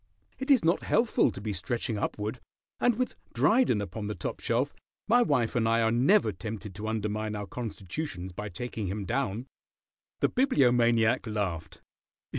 It is not healthful to be stretching upward, and with Dryden upon the top shelf my wife and I are never tempted to undermine our constitutions by taking him down." The Bibliomaniac laughed.